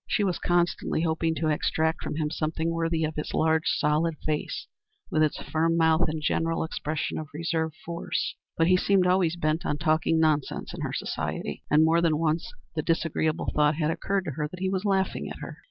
She was constantly hoping to extract from him something worthy of his large, solid face, with its firm mouth and general expression of reserve force, but he seemed always bent on talking nonsense in her society, and more than once the disagreeable thought had occurred to her that he was laughing at her.